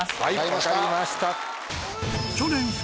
分かりました。